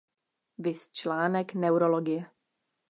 Viz článek Neurologie.